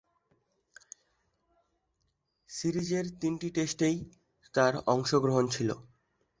সিরিজের তিনটি টেস্টেই তার অংশগ্রহণ ছিল।